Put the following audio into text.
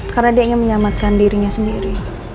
karena dia ingin menyelamatkan dirinya sendiri